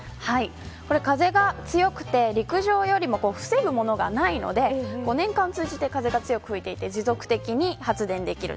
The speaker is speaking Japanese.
風が強くて陸上よりも防ぐものがないので年間を通じて風が強く吹いていて持続的に発電できる。